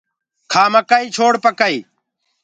کآ مڪآئي ڇوڙ پڪآئي